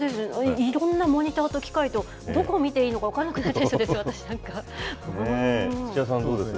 いろんなモニターと機械と、どこ見ていいか分からないです、私なんか。